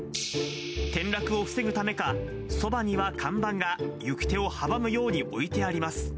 転落を防ぐためか、そばには看板が行く手を阻むように置いてあります。